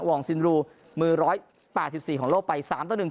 ว่องซินรูมือร้อยแปดสิบสี่ของโลกไปสามต่อหนึ่ง